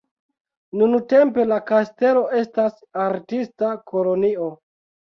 Nuntempe la kastelo estas artista kolonio.